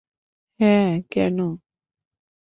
হ্যা, কেন?